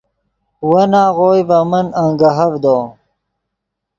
ون آغوئے ڤے من انگیہڤدو